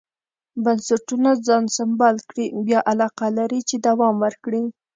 بنسټونه ځان سمبال کړي بیا علاقه لري چې دوام ورکړي.